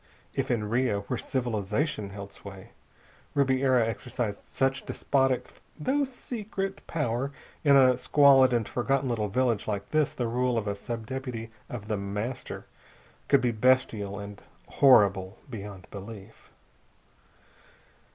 If in Rio, where civilization held sway, Ribiera exercised such despotic though secret power, in a squalid and forgotten little village like this the rule of a sub deputy of The Master could be bestial and horrible beyond belief.